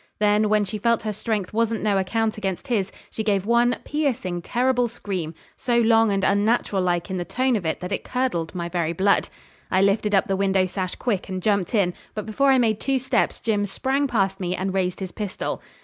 Then, when she felt her strength wasn't no account against his, she gave one piercing, terrible scream, so long and unnatural like in the tone of it that it curdled my very blood. I lifted up the window sash quick, and jumped in; but before I made two steps Jim sprang past me, and raised his pistol.